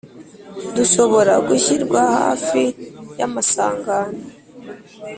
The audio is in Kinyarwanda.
dushobora gushyirwa hafi y'amasangano.